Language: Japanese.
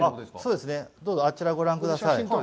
そうですね、どうぞあちらをご覧ください。